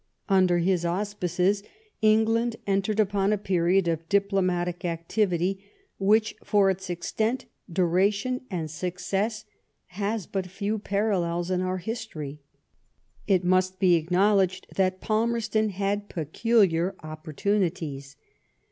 Under his auspices England entered upon a period of diplomatic activity which for its extent, duration, and success, has but few parallels in our history. It must be acknowledged that Palmerston had peculiar opportunities.